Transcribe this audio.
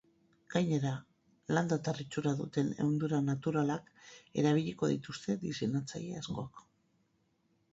Gainera, landatar itxura duten ehundura naturalak erabiliko dituzte diseinatzaile askok.